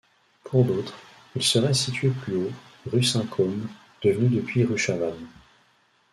Pour d'autres, il serait situé plus haut, rue Saint-Côme, devenue depuis rue Chavanne.